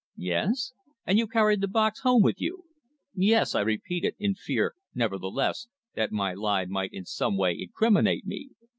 "Yes." "And you carried the box home with you?" "Yes," I repeated; in fear nevertheless, that my lie might in some way incriminate me.